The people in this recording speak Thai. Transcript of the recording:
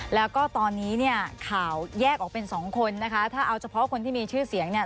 แล้วก็ตอนนี้เนี่ยข่าวแยกออกเป็นสองคนนะคะถ้าเอาเฉพาะคนที่มีชื่อเสียงเนี่ย